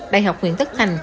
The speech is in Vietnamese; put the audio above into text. đại học nguyễn thất thành